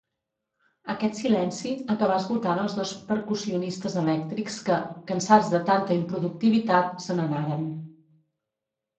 Aquest silenci acabà esgotant els dos percussionistes elèctrics que, cansats de tanta improductivitat, se n'anaren.